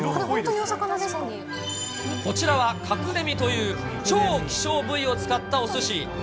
これ、こちらはカクレミという、超希少部位を使ったおすし。